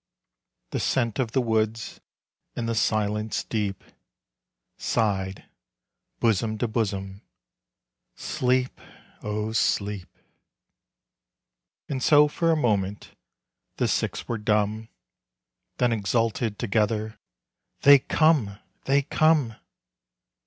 _ The Scent of the Woods and the Silence deep Sighed, bosom to bosom, Sleep, oh, sleep! And so for a moment the six were dumb, Then exulted together, _They come, they come!